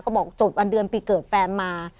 ก็บอกจดวันเดือนปีเกิดแฟนมา